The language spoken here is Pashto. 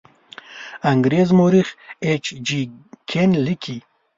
انګریز مورخ ایچ جي کین لیکي.